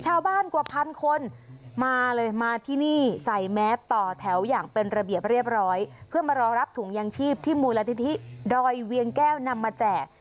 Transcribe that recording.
ชาวบ้านกว่าพันคนมาเลยมาที่นี่ใส่แมสต่อแถวอย่างเป็นระเบียบเรียบร้อยเพื่อมารอรับถุงยางชีพที่มูลนิธิดอยเวียงแก้วนำมาแจก